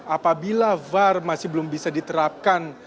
apabila var masih belum bisa diterapkan